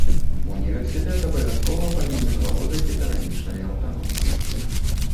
Універсітэт абавязкова павінен валодаць эканамічнай аўтаноміяй.